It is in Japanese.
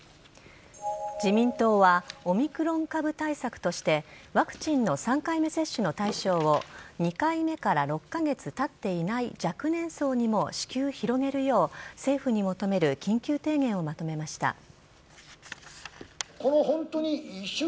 自民党はオミクロン株対策としてワクチンの３回目接種の対象を２回目から６カ月たっていない若年層にも至急、広げるよう政府に求める緊急提言をまとめました。